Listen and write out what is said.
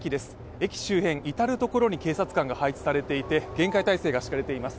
駅周辺至る所に警察官が配置されていて厳戒態勢が敷かれています。